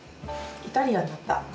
イタリアンになった。